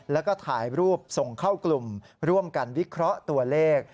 แล้วก็ถ่ายรูปส่งเข้ากลุ่มร่วมกันวิเคราะห์ตัวเลข